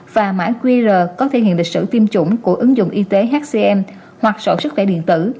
và mã qr có thể hiện lịch sử tiêm chủng của ứng dụng y tế hcm hoặc sổ sức khỏe điện tử